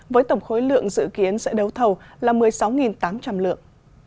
với tổng khối lượng dự kiến sẽ đấu thầu là một mươi sáu tám trăm linh lượng